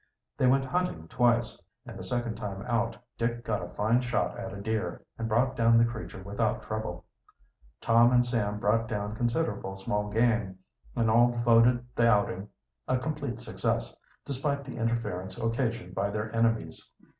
They went hunting twice, and the second time out Dick got a fine shot at a deer, and brought down the creature without trouble. Tom and Sam brought down considerable small game, and all voted the outing a complete success, despite the interference occasioned by their enemies.